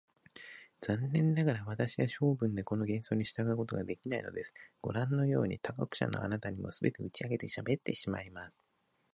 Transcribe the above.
残念ながら、私は性分でこの原則に従うことができないのです。ごらんのように、他国者のあなたにも、すべて打ち明けてしゃべってしまいます。